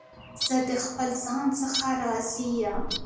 زه د خپل ځان څخه راضي یم.